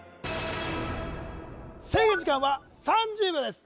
制限時間は３０秒です